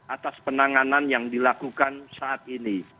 atas penanganan yang dilakukan saat ini